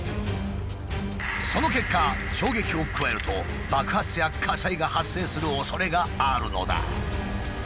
その結果衝撃を加えると爆発や火災が発生するおそれがあるのだ。